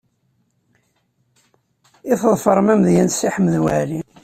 I tḍefrem amedya n Saɛid Waɛli?